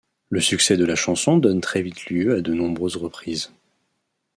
Le succès de la chanson donne très vite lieu à de nombreuses reprises.